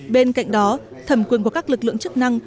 bên cạnh đó thẩm quyền của các lực lượng chức năng